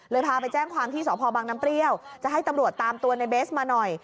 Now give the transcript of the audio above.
พาไปแจ้งความที่สพบังน้ำเปรี้ยวจะให้ตำรวจตามตัวในเบสมาหน่อย